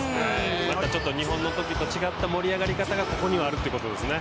ちょっと日本のときと違った盛り上がりがここにはあるっていうことですね。